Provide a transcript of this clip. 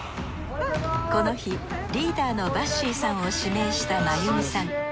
この日リーダーのばっしーさんを指名した真由美さん。